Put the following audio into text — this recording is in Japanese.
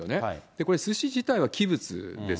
これ、すし自体は器物です。